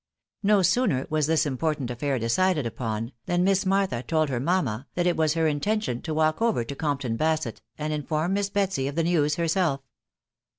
No sooner was this important r decided upon, than Miss Martha told her mamma, that as her intention to walk over to Compton Basett, and in i Miss Betsy of the news herself.